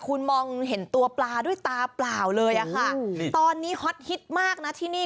คุณมองเห็นตัวปลาด้วยตาเปล่าเลยอะค่ะตอนนี้ฮอตฮิตมากนะที่นี่